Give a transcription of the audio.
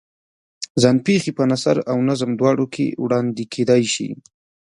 ځان پېښې په نثر او نظم دواړو کې وړاندې کېدای شي.